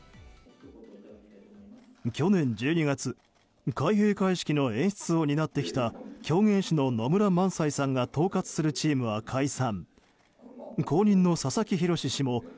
去年１２月開閉会式の演出を担ってきた狂言師の野村萬斎さんが統括するチームは解散。